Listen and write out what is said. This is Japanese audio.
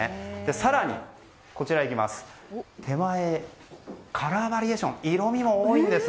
更に手前、カラーバリエーション色味も多いんです。